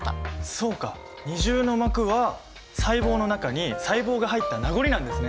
そうか二重の膜は細胞の中に細胞が入ったなごりなんですね。